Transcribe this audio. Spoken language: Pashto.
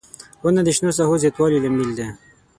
• ونه د شنو ساحو زیاتوالي لامل دی.